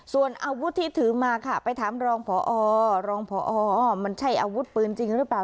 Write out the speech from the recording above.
ส่วนอาวุธที่ถือมาค่ะไปถามรองพอรองพอมันใช่อาวุธปืนจริงหรือเปล่า